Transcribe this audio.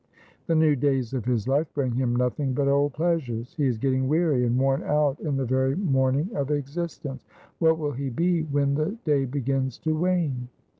The new days of his life bring him nothing but old pleasures. He is getting weary and worn out in the very morning of existence. What will he be when the day begins to wane